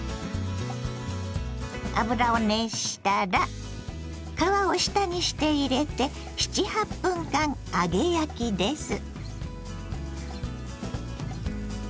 油を熱したら皮を下にして入れて７８分間揚げ焼きです。